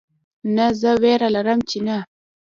نه زه ویره لرم چې نه